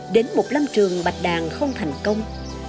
đến một lâm trường bạch đàn không thành công